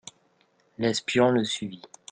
L'espion le suivit.